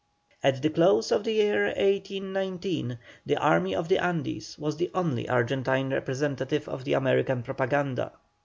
At the close of the year 1819 the Army of the Andes was the only Argentine representative of the American propaganda.